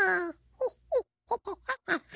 ホッホッホホハハハ。